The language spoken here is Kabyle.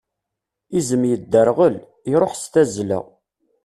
Izem yedderɣel, iṛuḥ s tazla.